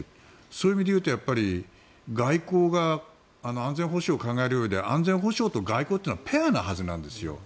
そういう意味で言うと外交が安全保障を考えるうえで安全保障と外交というのはぺアなはずなんですよ。